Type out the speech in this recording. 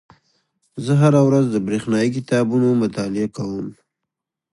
زه هره ورځ د بریښنایي کتابونو مطالعه کوم.